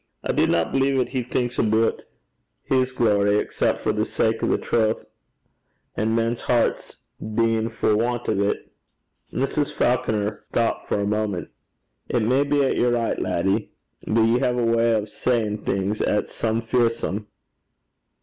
I dinna believe 'at he thinks aboot his glory excep' for the sake o' the trowth an' men's herts deein' for want o' 't.' Mrs. Falconer thought for a moment. 'It may be 'at ye're richt, laddie; but ye hae a way o' sayin' things 'at 's some fearsome.'